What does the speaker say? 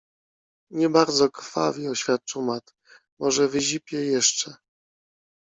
Nie bardzo krwawi oświadczył Matt. - Może wyzipie jeszcze.